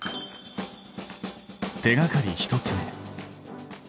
手がかり１つ目。